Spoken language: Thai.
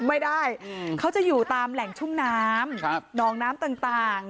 ไม่ได้เขาจะอยู่ตามแหล่งชุ่มน้ำหนองน้ำต่าง